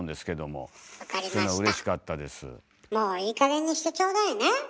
もういいかげんにしてちょうだいね。